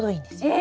え！